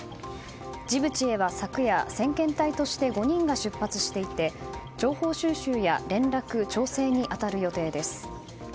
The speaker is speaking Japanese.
ジブチへは昨夜、先遣隊として５人が出発していて情報収集や連絡、調整に当たる予定です。